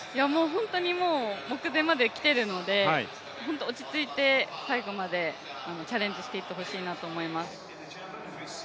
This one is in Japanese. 本当に目前まで来ているので、落ち着いて最後までチャレンジしていってほしいなと思います。